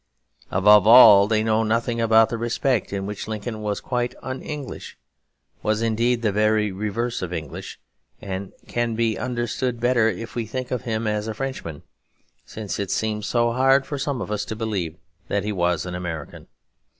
Above all, they know nothing about the respect in which Lincoln was quite un English, was indeed the very reverse of English; and can be understood better if we think of him as a Frenchman, since it seems so hard for some of us to believe that he was an American.